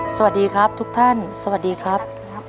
สวัสดีครับทุกท่านสวัสดีครับ